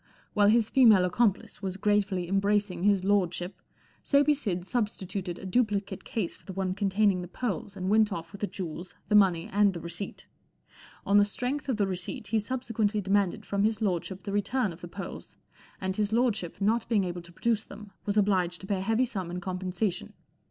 While his female accomplice was UNIVERSITY OF MICHIGAN 340 Aunt Agatha Takes the Count gratefully embracing his lordship, Soapy Sid substituted a duplicate case for the one containing the pearls, and went off with the jewels, the money, and the receipt. On the strength of the receipt he subsequently demanded from his lordship the return of the pearls, and his lordship, not being able to produce them, was obliged to pay a heavy sum in compensation.